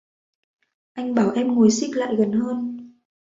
Anh bảo em ngồi xích lại gần hơn.